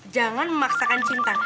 jangan memaksakan cinta